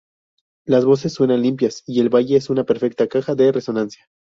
Las voces suenan limpias y el valle es una perfecta caja de resonancia.